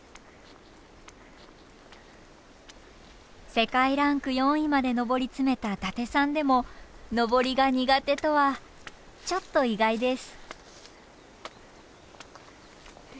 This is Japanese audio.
世界ランク４位まで上り詰めた伊達さんでも登りが苦手とはちょっと意外です。